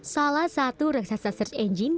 salah satu raksasa search engine